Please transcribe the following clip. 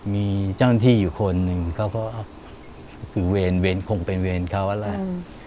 มีเจ้าหน้าที่อยู่คนหนึ่งเขาก็ถือเวรคงเป็นเวรเขาแล้ว